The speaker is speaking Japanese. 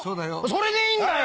それでいいんだよ！